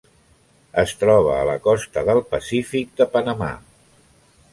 Es troba a la costa del Pacífic de Panamà.